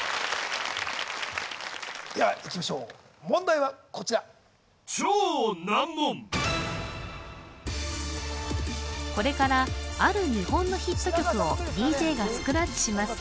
ではいきましょう問題はこちらこれからある日本のヒット曲をＤＪがスクラッチします